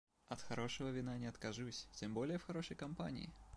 От хорошего вина не откажусь, тем более в хорошей компании.